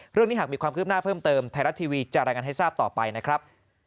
เรื่องนี้หากมีความคืบหน้าเพิ่มเติมไทยรัฐทีวีจะรายงานให้ทราบต่อไปนะครับ